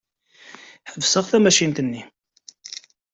Ḥebseɣ tamacint-nni.